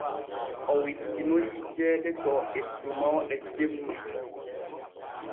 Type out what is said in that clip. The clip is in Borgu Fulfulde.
O wittinoyii ceede to ettunoo ɗe jemma.